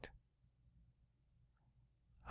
Obj.